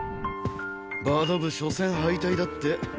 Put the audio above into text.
バド部初戦敗退だって。